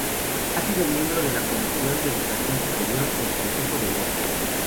Ha sido miembro de la Comisión de Educación Superior del Consejo de Europa.